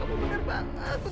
kamu bener banget